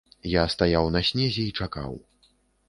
Я стаяў на снезе і чакаў.